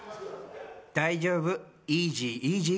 大丈夫、イージーイージー。